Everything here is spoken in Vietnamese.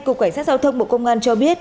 cục cảnh sát giao thông bộ công an cho biết